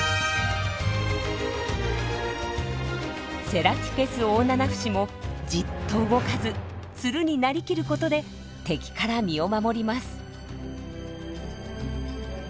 セラティペスオオナナフシもじっと動かずつるに成りきることで敵から身を守ります。